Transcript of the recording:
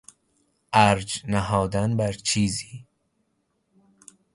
ارج نهادن بر چیزی